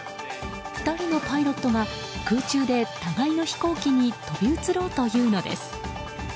２人のパイロットが空中で互いの飛行機に飛び移ろうというのです。